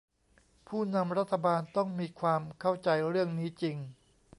ผู้นำรัฐบาลต้องมีความเข้าใจเรื่องนี้จริง